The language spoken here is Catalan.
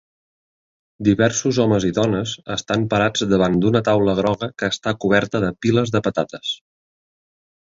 Diversos homes i dones estan parats davant d'una taula groga que està coberta de piles de patates